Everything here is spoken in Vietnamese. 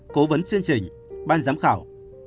cố vấn chương trình ban giám khảo